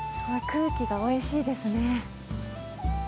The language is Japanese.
空気がおいしいですね。